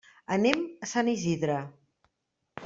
Anem a Sant Isidre.